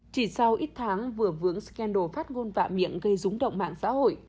chỉ sau ít tháng vừa vướng scandal phát ngôn vạ miệng gây rúng động mạng xã hội